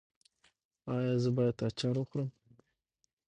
ایا زه باید اچار وخورم؟